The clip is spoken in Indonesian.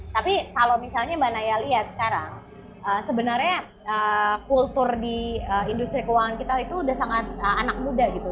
tapi kalau misalnya mbak naya lihat sekarang sebenarnya kultur di industri keuangan kita itu udah sangat anak muda gitu